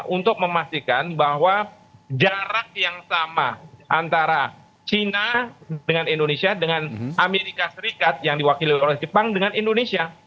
untuk memastikan bahwa jarak yang sama antara china dengan indonesia dengan amerika serikat yang diwakili oleh jepang dengan indonesia